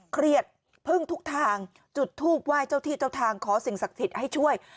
เครียดพึ่งทุกทางจุดทูบไหว้เจ้าที่เจ้าทางขอสิ่งศักดิ์สิทธิ์ให้ช่วย